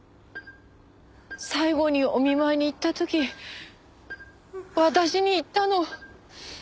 最後にお見舞いに行った時私に言ったの。